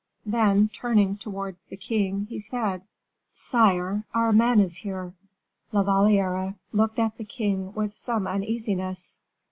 Then turning towards the king, he said: "Sire, our man is here." La Valliere looked at the king with some uneasiness.